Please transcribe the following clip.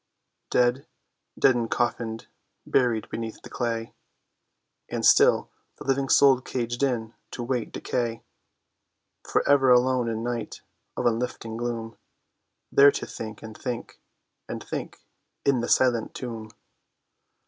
Dead, dead and coffin'd, buried beneath the clay, And still the living soul caged in to wait decay, For ever alone in night of unlifting gloom There to think, and think, and think, in the silent tomb.